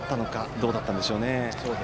どうだったんでしょうね。